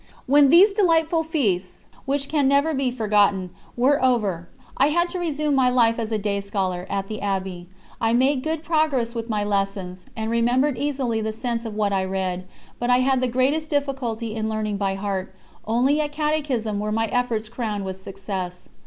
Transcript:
When these delightful feasts, which can never be forgotten, were over, I had to resume my life as a day scholar, at the Abbey. I made good progress with my lessons, and remembered easily the sense of what I read, but I had the greatest difficulty in learning by heart; only at catechism were my efforts crowned with success.